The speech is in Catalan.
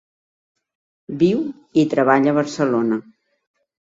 Viu i treballa a Barcelona.